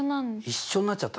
一緒になっちゃったの。